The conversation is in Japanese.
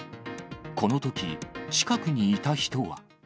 このとき、近くにいた人は。